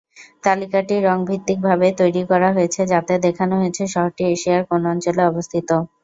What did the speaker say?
তালিকাটি রং-ভিত্তিক ভাবে তৈরি করা হয়েছে যাতে দেখানো হয়েছে শহরটি এশিয়ার কোন অঞ্চলে অবস্থিত।